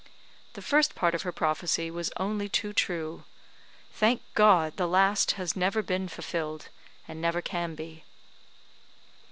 The first part of her prophecy was only too true. Thank God! the last has never been fulfilled, and never can be.